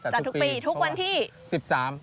จัดทุกปีทุกวันที่